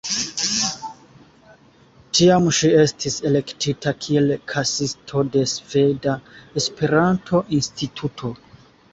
Tiam ŝi estis elektita kiel kasisto de Sveda Esperanto-Instituto.